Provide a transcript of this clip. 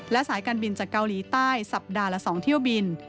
และสายการบินจากเกาหลีใต้สัปดาห์ละ๒เที่ยวบิน